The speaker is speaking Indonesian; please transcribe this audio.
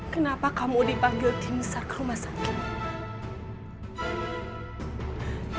kenapa kamu dipanggil timsar ke rumah sakit